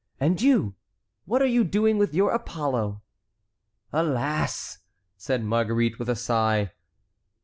And you, what are you doing with your Apollo?" "Alas!" said Marguerite with a sigh.